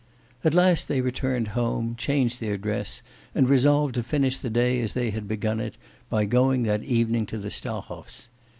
At last they returned home, changed their dress, and resolved to finish the day as they had begun it, by going that evening to the Stahovs.